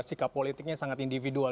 sikap politiknya sangat individual